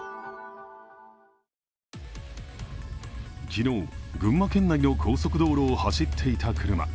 昨日、群馬県内の高速道路を走っていた車。